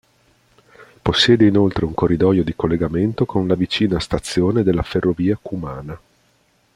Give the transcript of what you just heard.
Possiede inoltre un corridoio di collegamento con la vicina stazione della Ferrovia Cumana.